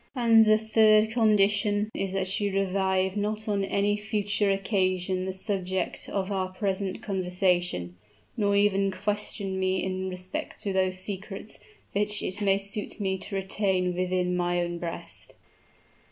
"And the third condition is that you revive not on any future occasion the subject of our present conversation, nor even question me in respect to those secrets which it may suit me to retain within my own breast."